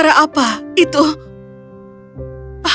rasa tak terlalu baik